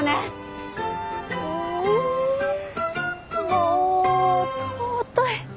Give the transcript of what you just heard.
もう尊い！